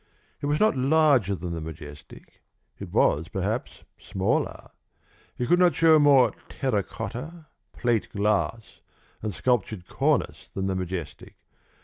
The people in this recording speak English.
It was not larger than the Majestic; it was perhaps smaller; it could not show more terra cotta, plate glass, and sculptured cornice than the Majestic.